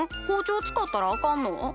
包丁使ったらあかんの？